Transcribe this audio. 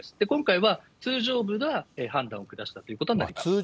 今回は通常部が判断を下したということになります。